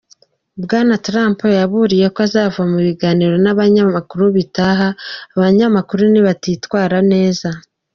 Bwana Trump yaburiye ko azava mu biganiro n'abanyamakuru bitaha abanyamakuru "nibatitwara neza".